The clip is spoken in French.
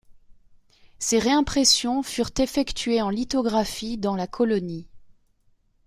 Ses réimpressions furent effectuées en lithographie dans la colonie.